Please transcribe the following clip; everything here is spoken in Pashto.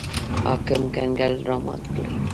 حاکم کنګل رامات کړي.